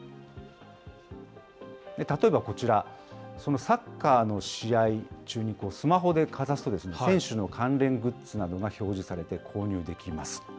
例えばこちら、サッカーの試合中にスマホでかざすとですね、選手の関連グッズなどが表示がされて、購入できます。